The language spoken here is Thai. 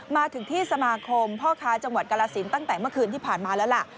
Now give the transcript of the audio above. มาถึงที่สมาคมพ่อค้าจังหวัดกรสินตั้งแต่เมื่อคืนที่ผ่านมาแล้วล่ะ